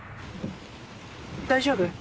大丈夫？